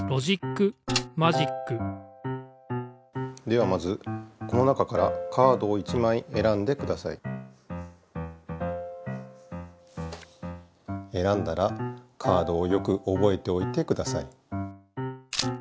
ではまずこの中からカードを１枚えらんでください。えらんだらカードをよくおぼえておいてください。